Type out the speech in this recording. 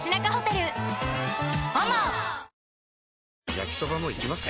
焼きソバもいきます？